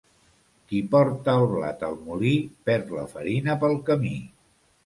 Qui porta el blat al molí perd la farina pel camí.